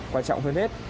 quan trọng hơn hết